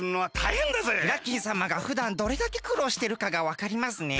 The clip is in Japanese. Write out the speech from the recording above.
イラッキンさまがふだんどれだけくろうしてるかがわかりますね。